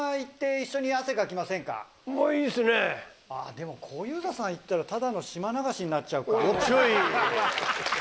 でも小遊三さん行ったらただの島流しになっちゃうか。